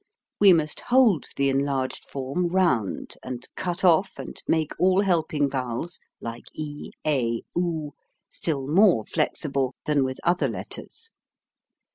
We must hold the enlarged form round and cut off and make all helping vowels like e, a, oo still more flexible than with other letters.